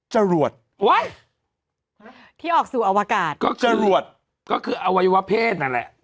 จรวดที่ออกสู่อวกาศก็คือจรวดก็คืออวัยวะเพศนั่นแหละ